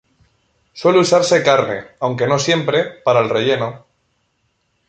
Suele usarse carne, aunque no siempre, para el relleno.